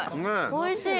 おいしい。